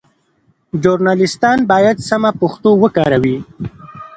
ژورنالیستان باید سمه پښتو وکاروي.